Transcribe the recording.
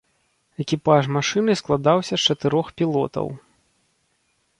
Экіпаж машыны складаўся з чатырох пілотаў.